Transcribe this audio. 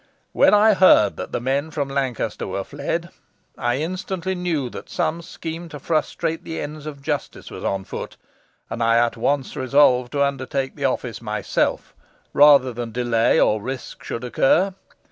"When I heard that the men from Lancaster were fled, I instantly knew that some scheme to frustrate the ends of justice was on foot, and I at once resolved to undertake the office myself rather than delay or risk should occur.